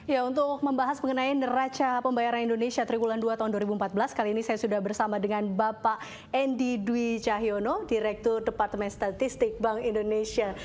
ya untuk membahas mengenai neraca pembayaran indonesia triwulan dua tahun dua ribu empat belas kali ini saya sudah bersama dengan bapak endi dwi cahyono direktur departemen statistik bank indonesia